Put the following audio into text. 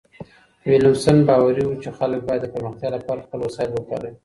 ويلم سن باوري و چي خلګ بايد د پرمختيا لپاره خپل وسايل وکاروي.